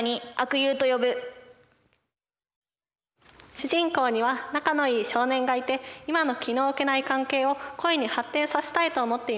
主人公には仲のいい少年がいて今の気の置けない関係を恋に発展させたいと思っています。